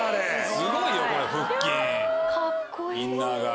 すごいよこれ腹筋インナーが。